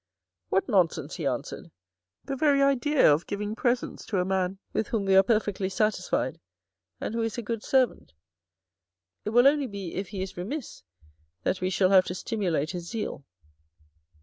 " What nonsense," he answered, " the very idea of giving presents to a man with whom we are perfectly satisfied and who is a good servant. It will only be if he is remiss that we shall have to stimulate his zeal."